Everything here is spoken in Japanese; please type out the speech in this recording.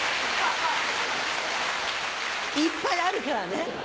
いっぱいあるからね。